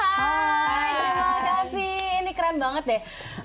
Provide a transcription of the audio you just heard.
hai terima kasih ini keren banget deh